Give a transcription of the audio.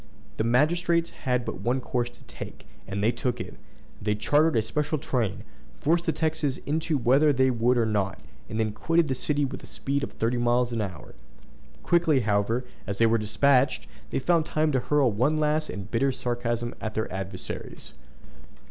The magistrates had but one course to take, and they took it. They chartered a special train, forced the Texans into it whether they would or no; and they quitted the city with a speed of thirty miles an hour. Quickly, however, as they were despatched, they found time to hurl one last and bitter sarcasm at their adversaries.